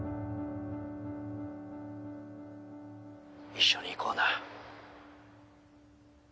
「一緒に行こうな」